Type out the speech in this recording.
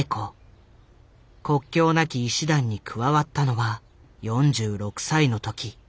国境なき医師団に加わったのは４６歳の時。